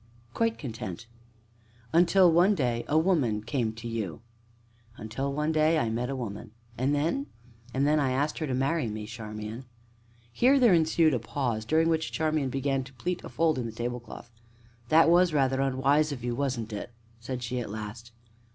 "Quite content." "Until, one day a woman came to you." "Until, one day I met a woman." "And then ?" "And then I asked her to marry me, Charmian." Here there ensued a pause, during which Charmian began to pleat a fold in the tablecloth. "That was rather unwise of you, wasn't it?" said she at last.